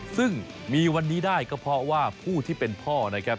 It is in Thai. ซึ่งมีวันนี้ได้ก็เพราะว่าผู้ที่เป็นพ่อนะครับ